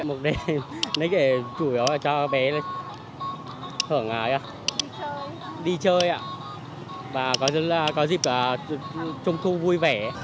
một đèn để chủ yếu cho bé đi chơi và có dịp trung thu vui vẻ